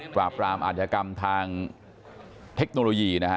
กราบรามอาจกรรมทางเทคโนโลยี